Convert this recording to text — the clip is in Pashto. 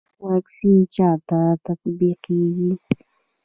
واکسین چا ته تطبیقیږي؟